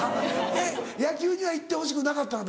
えっ野球にはいってほしくなかったの？